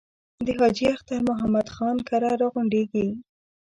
د حاجي اختر محمد خان کره را غونډېږي.